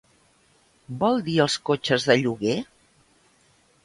Vol dir els cotxes de lloguer?